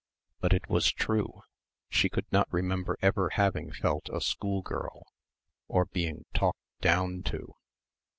But it was true she could not remember ever having felt a schoolgirl ... or being "talked down" to